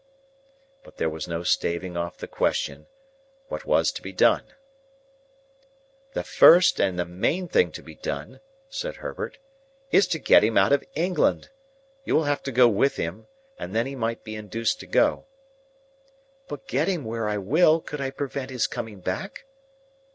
But there was no staving off the question, What was to be done? "The first and the main thing to be done," said Herbert, "is to get him out of England. You will have to go with him, and then he may be induced to go." "But get him where I will, could I prevent his coming back?"